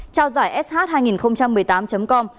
trao giải sh hai nghìn một mươi tám com